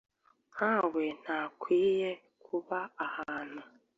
nkawe ntakwiye kuba ahantu